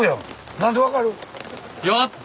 何で分かる？